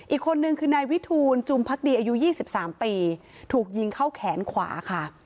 อีกคนนึงคือนายวิทูลจุมพักดีอายุ๒๓ปีถูกยิงเข้าแขนขวาค่ะ